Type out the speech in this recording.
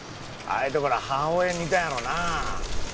あいうところ母親に似たんやろな